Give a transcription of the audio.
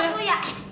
ngelunjak lo ya